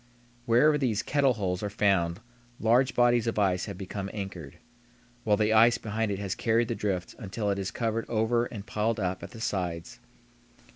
Wherever these "kettle holes" are found large bodies of ice have become anchored, while the ice behind it has carried the drift until it is covered over and piled up at the sides.